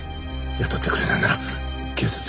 雇ってくれないなら警察に行きます。